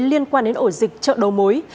liên quan đến ổ dịch trợ đấu mối